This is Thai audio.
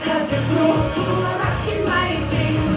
เธอจะกลัวรักที่ไม่จริง